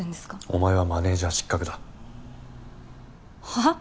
お前はマネージャー失格だ。はあ？